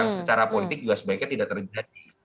secara politik juga sebaiknya tidak terjadi